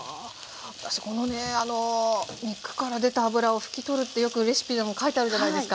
私このね肉から出た脂を拭き取るってよくレシピでも書いてあるじゃないですか。